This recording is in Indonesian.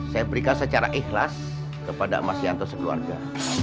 saya berikan secara ikhlas kepada mas yanto sekeluarga